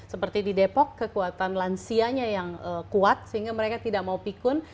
seperti di depok kekuatan lansianya yang kuat sehingga mereka tidak mau pikun